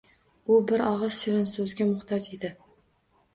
U bir og‘iz shirinso‘zga muhtoj edi.